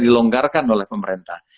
dilonggarkan oleh pemerintah